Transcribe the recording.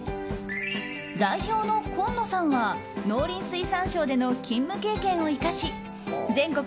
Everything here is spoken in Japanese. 代表の今野さんが農林水産省での勤務経験を生かし全国